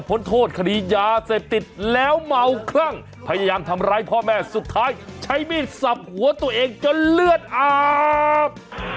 พยายามทำร้ายพ่อแม่สุดท้ายใช้มีดสับหัวตัวเองจนเลือดอาบ